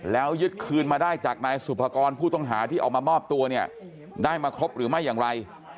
แล้วยึดคืนมาได้จากนายสุภกรผู้ต้องหาที่ออกมามอบตัวเนี่ยได้มาครบหรือไม่อย่างไร